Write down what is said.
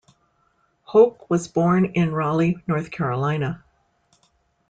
Hoch was born in Raleigh, North Carolina.